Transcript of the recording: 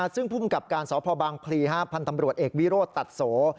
ซึ่งพุ่งกับการสอบพลาวบางพลีพันธมรวชเอกวิโรตตัดโส